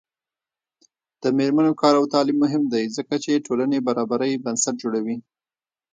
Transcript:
د میرمنو کار او تعلیم مهم دی ځکه چې ټولنې برابرۍ بنسټ جوړوي.